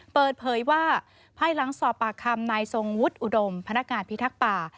เปิดเผยว่าภายหลังสอบปากคำนายทรงวุฒิอุดมพนักงานพิทักษ์ป่า